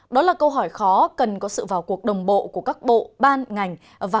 đó là câu hỏi khó cần có sự vào cuộc đồng bộ của các bộ ban ngành